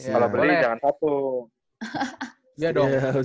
kalau beli jangan satu